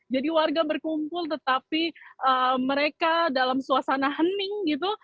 jadi warga berkumpul tetapi mereka dalam suasana hening